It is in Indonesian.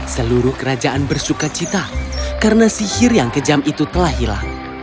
seluruh kerajaan bersuka cita karena sihir yang kejam itu telah hilang